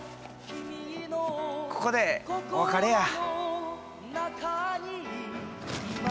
ここでお別れや。